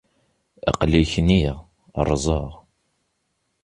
Aql-i kniɣ, rẓeɣ.